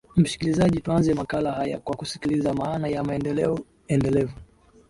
mshikilizaji tuanze makala haya kwa kusikiliza maana ya maendeleo endelevu